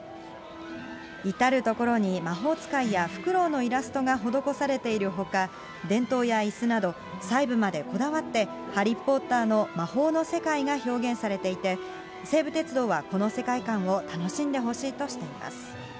至る所に魔法使いやフクロウのイラストが施されているほか、電灯やいすなど、細部までこだわって、ハリー・ポッターの魔法の世界が表現されていて、西武鉄道はこの世界観を楽しんでほしいとしています。